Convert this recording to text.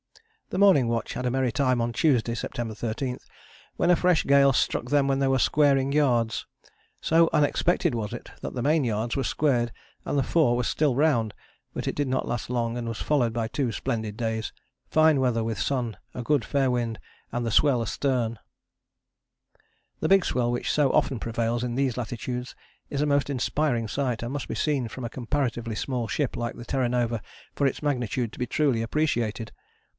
The morning watch had a merry time on Tuesday, September 13, when a fresh gale struck them while they were squaring yards. So unexpected was it that the main yards were squared and the fore were still round, but it did not last long and was followed by two splendid days fine weather with sun, a good fair wind and the swell astern. [Illustration: THE ROARING FORTIES E. A. Wilson, del.] The big swell which so often prevails in these latitudes is a most inspiring sight, and must be seen from a comparatively small ship like the Terra Nova for its magnitude to be truly appreciated.